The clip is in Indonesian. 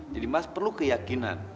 jadi mas perlu keyakinan